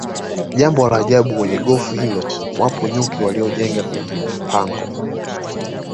Jambo la ajabu kwenye gofu hilo wapo nyuki waliojenga kwenye pango